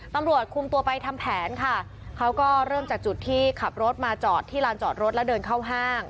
ตำรวจคุมตัวไปทำแผนค่ะเขาก็เริ่มจากจุดที่ขับรถมาจอดที่ลานจอดรถแล้วเดินเข้าห้าง